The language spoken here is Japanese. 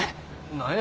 何や？